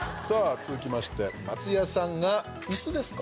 続きまして松也さんが、いすですか。